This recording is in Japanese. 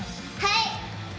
はい。